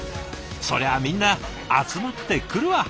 そりゃあみんな集まってくるわ。